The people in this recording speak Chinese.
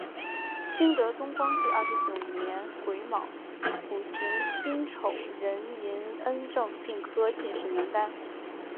清德宗光绪二十九年癸卯补行辛丑壬寅恩正并科进士名单。